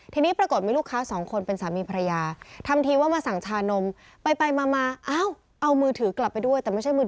ทีนี้ปรากฏมีลูกค้าสองคนเป็นสามีภรรยา